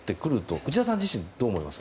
内田さん自身はどう思いますか？